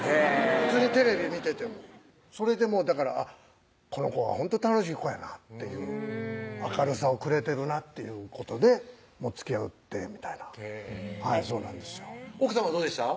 普通にテレビ見ててもそれでだからこの子はほんと楽しい子やなっていう明るさをくれてるなっていうことでつきあってみたいなへぇ奥さまどうでした？